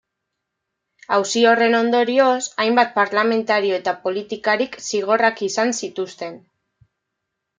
Auzi horren ondorioz, hainbat parlamentario eta politikarik zigorrak izan zituzten.